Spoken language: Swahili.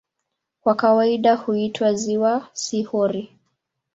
Kwa kawaida huitwa "ziwa", si "hori".